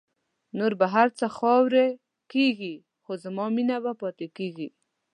نور به هر څه خاوری کېږی خو زما مینه به پاتېږی